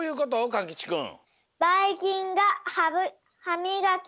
かんきちくん。